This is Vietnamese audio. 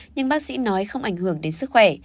nhưng bác sĩ nói không ảnh hưởng đến sức khỏe